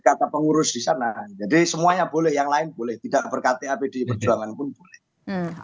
dikata pengurus disana jadi semuanya boleh yang lain boleh tidak berkata bdi perjuangan pun boleh